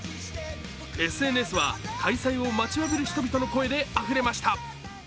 ＳＮＳは開催を待ちわびる人々の声であふれました。